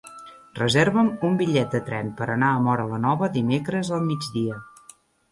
Reserva'm un bitllet de tren per anar a Móra la Nova dimecres al migdia.